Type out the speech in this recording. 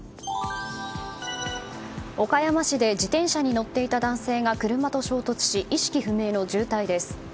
岡山市で自転車に乗っていた男性が車と衝突し、意識不明の重体です。